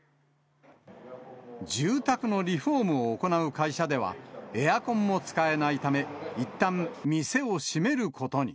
住宅のリフォームを行う会社では、エアコンも使えないため、いったん、店を閉めることに。